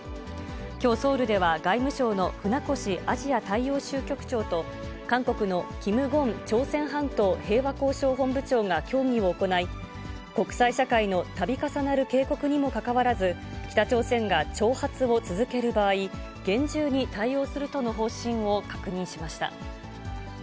きょう、ソウルでは、外務省の船越アジア大洋州局長と、韓国のキム・ゴン朝鮮半島平和交渉本部長が協議を行い、国際社会のたび重なる警告にもかかわらず、北朝鮮が挑発を続ける場合、厳重に対応するとの方針を確認しました。